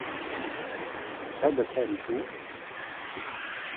Tagad arī tu?